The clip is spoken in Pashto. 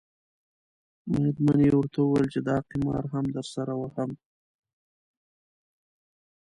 میرمنې یې ورته وویل چې دا قمار هم درسره وهم.